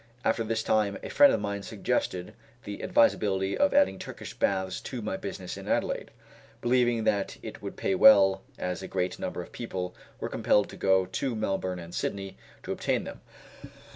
About this time a friend of mine suggested the advisability of adding Turkish baths to my business in Adelaide, believing that it would pay well, as a great number of people were compelled to go to Melbourne and Sydney to obtain them.